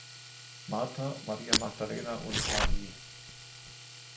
Martha, Maria Magdalena und Hl.